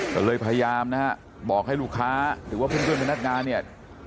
ก็เลยพยายามนะฮะบอกลูกค้าและเพื่อนกุญแบบนักงานเนี่ย